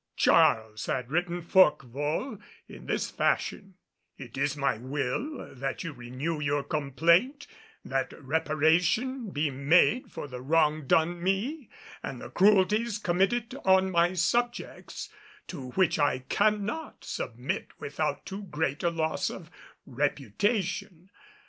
Charles had written Forquevaulx in this fashion: "It is my will that you renew your complaint, that reparation be made for the wrong done me and the cruelties committed on my subjects, to which I cannot submit without too great a loss of reputation.